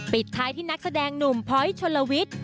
ปิดท้ายที่นักแสดงหนุ่มพ้อยชนลวิทย์